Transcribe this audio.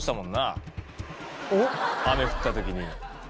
雨降ったときに。